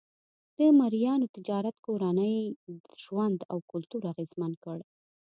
د مریانو تجارت کورنی ژوند او کلتور اغېزمن کړ.